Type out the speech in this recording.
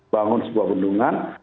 bangun sebuah bendungan